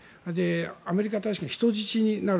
アメリカが人質になる。